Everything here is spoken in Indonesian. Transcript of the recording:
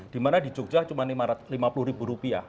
dimana di jogja cuma lima puluh ribu rupiah